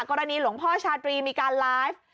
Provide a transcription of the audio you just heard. กรณีหลวงพ่อชาตรีมีการไลฟ์